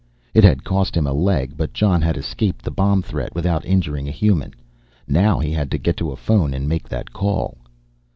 It had cost him a leg, but Jon had escaped the bomb threat without injuring a human. Now he had to get to a phone and make that call.